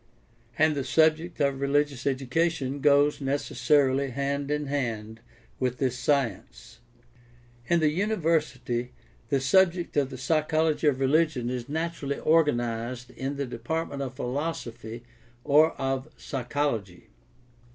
And the subject of religious education goes necessarily hand in hand with this science. In the university the subject of the psychology of religion is naturally organized in the department of philosophy or of psychology.